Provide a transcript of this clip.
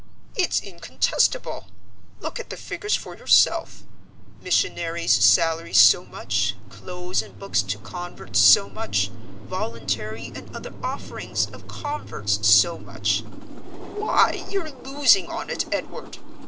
"It's incontestable. Look at the figures for yourself: missionary's salary so much, clothes and books to converts so much, voluntary and other offerings of converts so much why, you're losing on it, Edward!"